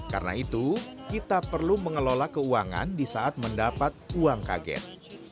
karena itu kita perlu mengelola keuangan di saat mendapat uang kaget